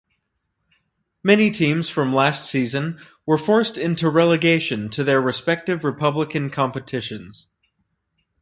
Many teams from last season were forced into relegation to their respective republican competitions.